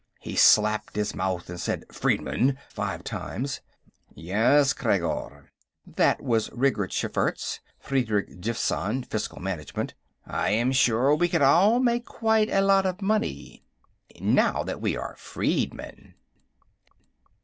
He slapped his mouth, and said, "Freedman!" five times. "Yes, Khreggor." That was Ridgerd Schferts (Fedrig Daffysan; Fiscal Management). "I am sure we could all make quite a lot of money, now that we are freedmen."